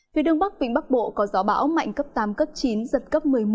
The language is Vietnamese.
phía đông bắc vịnh bắc bộ có gió bão mạnh cấp tám cấp chín giật cấp một mươi một